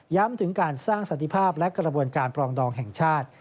ถึงการสร้างสันติภาพและกระบวนการปรองดองแห่งชาติ